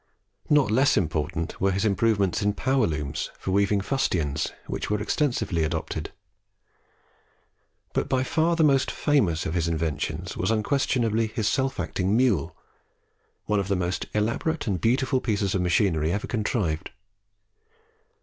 Not less important were his improvements in power looms for weaving fustians, which were extensively adopted. But by far the most famous of his inventions was unquestionably his Self acting Mule, one of the most elaborate and beautiful pieces of machinery ever contrived.